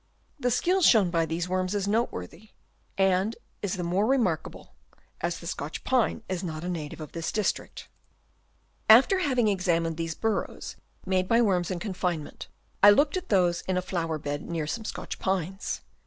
The skill shown by these worms is noteworthy and is the more remarkable, as the Scotch pine is not a native of this district. After having examined these burrows made by worms in confinement, I looked at those in a flower bed near, some Scotch pines.